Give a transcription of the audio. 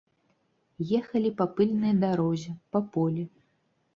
Ехалі па пыльнай дарозе, па полі.